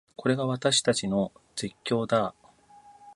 これが私たちの絶唱だー